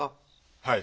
はい。